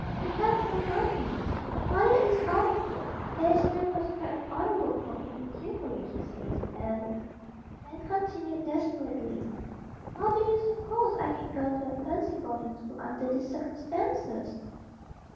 We have no money. Father is out of work. There is no prospect of other work for him in Tillbury, he says, and," Nan continued desperately, "how do you suppose I can go to a fancy boarding school under these circumstances?"